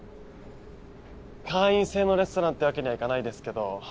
会員制のレストランってわけにはいかないですけど